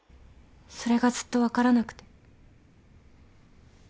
それがずっと分からなくて。